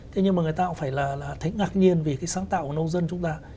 thế nhưng mà người ta cũng phải là thấy ngạc nhiên vì cái sáng tạo của nông dân chúng ta